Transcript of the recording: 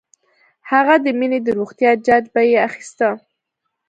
هغه د مينې د روغتيا جاج به یې اخيسته